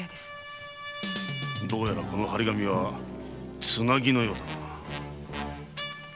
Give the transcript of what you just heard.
どうやらこの貼り紙はツナギのようだな。